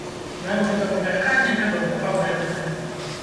Нам гэта памяшканне, вядома, патрэбнае.